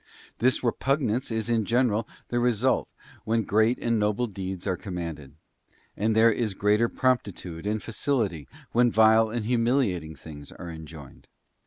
This repugnance is in general the result, when great and noble deeds are commanded; and there is greater promptitude and facility, when vile and humiliating things are enjoined.